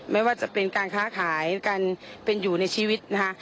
ไม่ว่าจะเป็นการค้าขายการเป็นอยู่ในชีวิตนะคะ